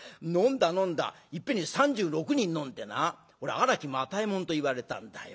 いっぺんに３６人飲んでな俺荒木又右衛門といわれたんだよ。